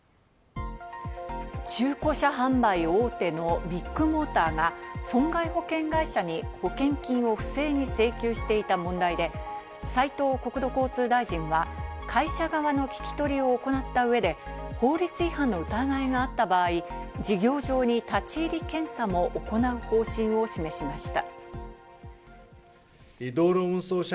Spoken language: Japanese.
中古車販売大手のビッグモーターが損害保険会社に保険金を不正に請求していた問題で、斉藤国土交通大臣は会社側の聞き取りを行った上で、法律違反の疑いがあった場合、事業場に立ち入り検査も行う方針を示しました。